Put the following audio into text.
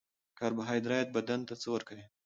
کاربوهایدریت بدن ته څه ورکوي